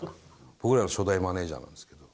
僕らの初代マネジャーなんですけど。